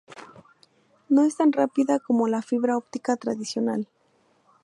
No es tan rápida como la fibra óptica tradicional.